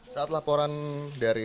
saat laporan dari